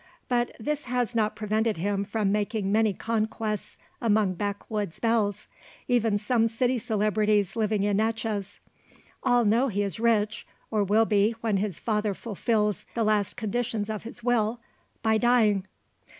But this has not prevented him from making many conquests among backwood's belles; even some city celebrities living in Natchez. All know he is rich; or will be, when his father fulfils the last conditions of his will by dying.